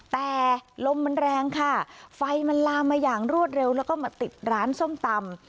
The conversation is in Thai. แต่ลมมันแรงค่ะไฟมันลามมาอย่างรวดเร็วแล้วก็มาติดร้านส้มตำ